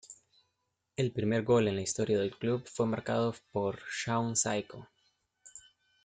El primer gol en la historia del club fue marcado por Shaun Saiko.